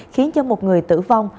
khiến cho một người tử vong